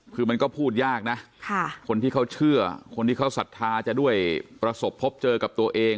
คือมันก็พูดยากนะคนที่เขาเชื่อคนที่เขาศรัทธาจะด้วยประสบพบเจอกับตัวเอง